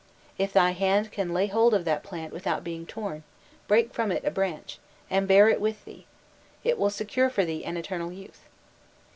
If thy hand can lay hold of that plant without being torn, break from it a branch, and bear it with thee; it will secure for thee an eternal youth.